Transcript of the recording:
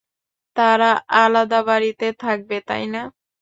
তারা আলাদা বাড়িতে থাকবে, তাইনা।